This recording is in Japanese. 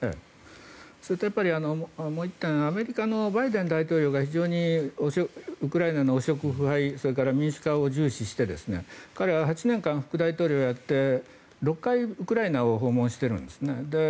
それとやっぱり、もう１点アメリカのバイデン大統領が非常にウクライナの汚職、腐敗それから民主化を重視して彼は８年間、副大統領をやって６回ウクライナを訪問しているんですね。